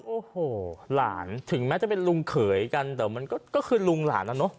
โอ้โหหลานถึงแม้จะเป็นลุงเขยกันแต่มันก็คือลุงหลานแล้วเนอะ